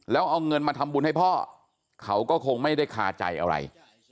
แล้วเอาเงินมาทำบุญให้พ่อเขาก็คงไม่ได้คาใจอะไร